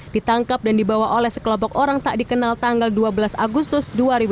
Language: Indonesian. ditangkap dan dibawa oleh sekelompok orang tak dikenal tanggal dua belas agustus dua ribu dua puluh